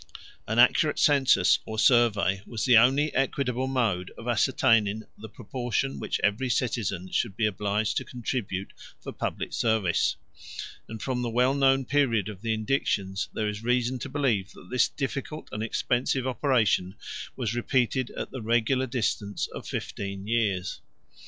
An accurate census, 173 or survey, was the only equitable mode of ascertaining the proportion which every citizen should be obliged to contribute for the public service; and from the well known period of the indictions, there is reason to believe that this difficult and expensive operation was repeated at the regular distance of fifteen years.